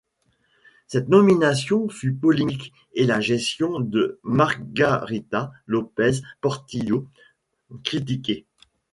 Cette nomination fut polémique et la gestion de Margarita López Portillo critiquée.